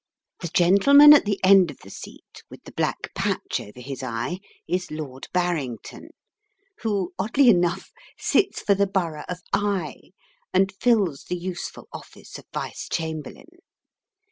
The gentleman at the end of the seat with the black patch over his eye is Lord Barrington, who, oddly enough, sits for the borough of Eye, and fills the useful office of Vice Chamberlain.